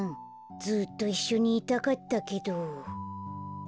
ずっといっしょにいたかったけど。